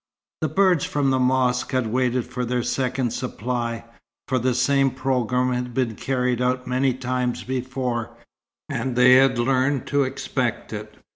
The birds from the mosque had waited for their second supply, for the same programme had been carried out many times before, and they had learned to expect it.